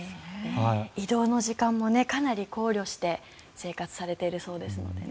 移動の時間もかなり考慮して生活されているそうですのでね。